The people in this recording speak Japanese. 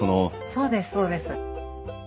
そうですそうです。